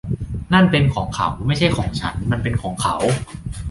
นั่นเป็นของเขา ไม่ใช่ของฉัน มันเป็นของเขา